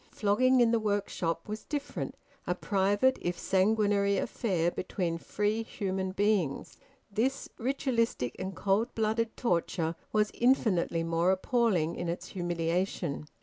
Flogging in the workshop was different, a private if sanguinary affair between free human beings. This ritualistic and cold blooded torture was infinitely more appalling in its humiliation.